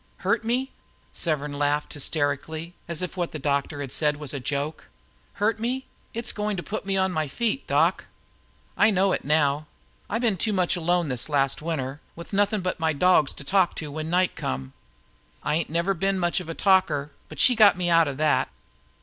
"Hurt me!" Severn laughed hysterically, as If what the doctor had said was a joke. "Hurt me? It's what's going to put me on my feet, doc. I know it now, I been too much alone this last winter, with nothin' but my dogs to talk to when night come. I ain't never been much of a talker, but she got me out o' that.